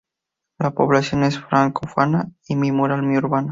La población es francófona y mi rural mi urbana.